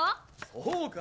そうか。